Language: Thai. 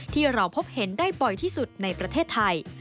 ที่เราพบเห็นได้บ่อยที่สุดในประเทศไทย